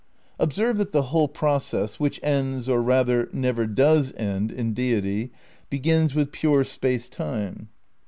Observe that the whole process, which ends, or rath er, never does end, in Deity, begins with pure Space Time.